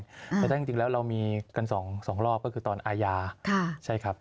แต่ถ้าจริงจริงแล้วเรามีกันสองสองรอบก็คือตอนอายาค่ะใช่ครับ